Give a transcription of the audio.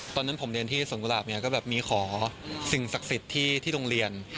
ตอนนั้นผมเรียนที่สวนกุหลาบเนี่ยก็แบบมีขอสิ่งศักดิ์สิทธิ์ที่โรงเรียน